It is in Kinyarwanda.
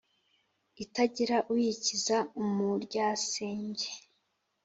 itagira uyikiza umuryasenge